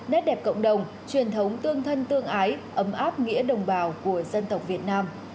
nét đẹp cộng đồng truyền thống tương thân tương ái ấm áp nghĩa đồng bào của dân tộc việt nam